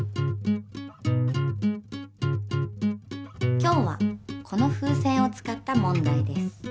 今日はこの風船を使った問題です。